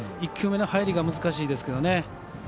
１球目の入りが難しいですかね。